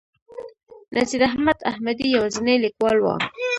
نصیر احمد احمدي یوازینی لیکوال و.